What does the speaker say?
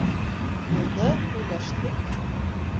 Булды, һөйләштек.